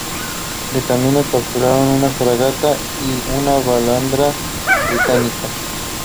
De camino capturaron una fragata y una balandra británicas.